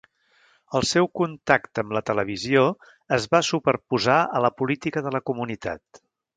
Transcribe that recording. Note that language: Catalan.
El seu contacte amb la televisió es va superposar a la política de la comunitat.